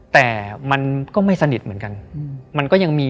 แต่มันก็ไม่สนิทเหมือนกัน